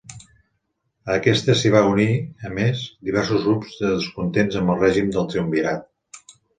A aquesta s'hi van unir, a més, diversos grups descontents amb el règim del Triumvirat.